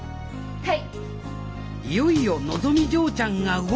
はい！